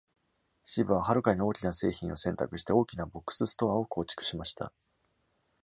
支部は、はるかに大きな製品を選択して大きなボックスストアを構築しました。